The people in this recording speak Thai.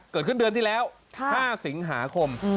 เกิดขึ้นเดือนที่แล้ว๕สิงหาคม